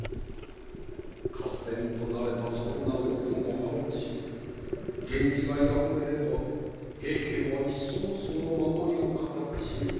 合戦となれば損なうこともあろうし源氏が敗れれば平家は一層その守りを固くしよう。